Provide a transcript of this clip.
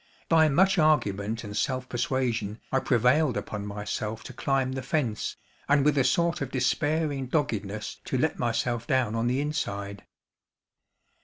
By much argument and self persuasion I prevailed upon myself to climb the fence, and with a sort of despairing doggedness to let myself down on the inside.